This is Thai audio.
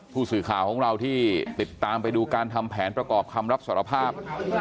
ผู้สื่อข่าวของเราที่ติดตามไปดูการทำแผนประกอบคำรับสารภาพ